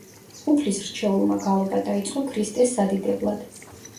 უფლის რჩეულმა გალობა დაიწყო ქრისტეს სადიდებლად.